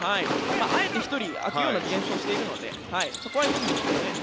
あえて１人空けるようなディフェンスをしているのでそこはいいんですけどね。